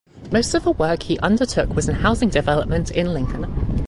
Most of the work he undertook was in housing development in Lincoln.